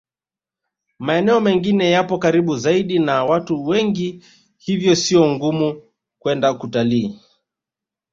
Maeneo mengine yapo karibu zaidi na watu wengi hivyo sio ngumu kwenda kutalii